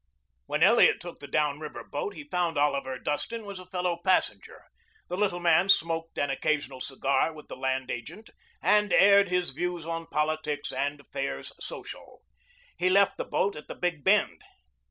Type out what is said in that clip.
When Elliot took the down river boat he found Oliver Dustin was a fellow passenger. The little man smoked an occasional cigar with the land agent and aired his views on politics and affairs social. He left the boat at the big bend.